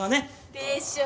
でしょ？